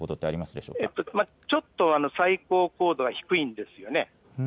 しゃちょっと最高高度が低いんですね。